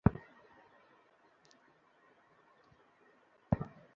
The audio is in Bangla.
দুদক সূত্র জানায়, সোনার বার আত্মসাতের ঘটনা ফাঁস হওয়ার পরপরই তদন্তে নামে দুদক।